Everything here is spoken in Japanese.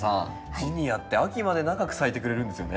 ジニアって秋まで長く咲いてくれるんですよね。